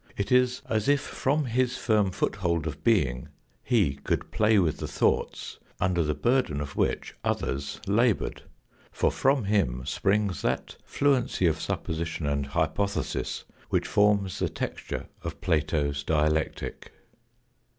It is as if from his firm foothold of being he could play with the thoughts under the burden of which others laboured, for from him springs that fluency of supposition and hypothesis which forms the texture of Plato's dialectic.